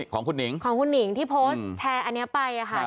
ของคุณหิงของคุณหนิงที่โพสต์แชร์อันนี้ไปค่ะ